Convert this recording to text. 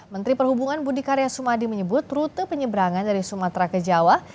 menteri perhubungan budi karya sumadi menyebut rute penyeberangan dari sumatera ke jawa